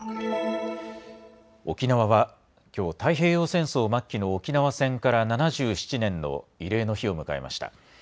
沖縄はきょう太平洋戦争末期の沖縄戦から７７年の慰霊の日を迎えました。